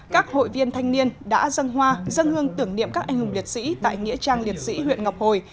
các hội viên thanh niên đã dâng hoa dâng hương tưởng niệm các anh hùng liệt sĩ tại nghĩa trang liệt sĩ huyện ngọc hồi